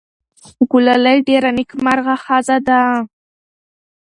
ګلالۍ ډېره نېکمرغه ښځه ده.